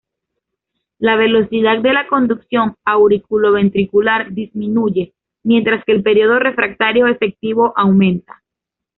La velocidad de la conducción auriculoventricular disminuye, mientras que el período refractario efectivo aumenta.